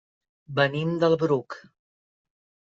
Venim del Bruc.